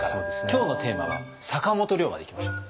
今日のテーマは坂本龍馬でいきましょう。